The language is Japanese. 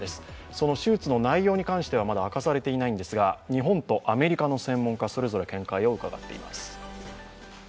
その手術の内容に関してはまだ明かされていないんですが、日本とアメリカの専門家それぞれ見解を伺っています。